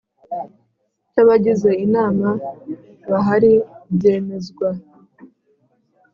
Cy abagize inama bahari byemezwa